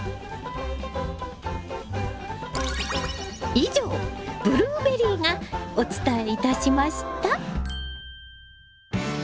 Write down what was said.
以上ブルーベリーがお伝えいたしました。